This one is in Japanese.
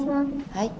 はい。